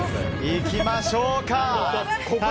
行きましょうか。